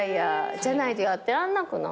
じゃないとやってらんなくない？